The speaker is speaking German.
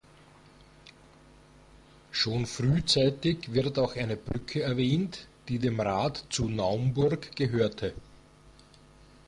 Schon frühzeitig wird auch eine Brücke erwähnt, die dem Rat zu Naumburg gehörte.